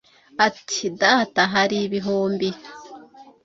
Ati: "Data, hari ibihumbi."